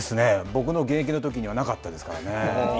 僕の現役のときにはなかったですからね。